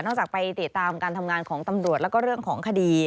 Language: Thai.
จากไปติดตามการทำงานของตำรวจแล้วก็เรื่องของคดี